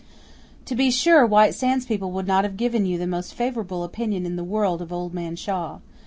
To be sure, White Sands people would not have given you the most favourable opinion in the world of Old Man Shaw.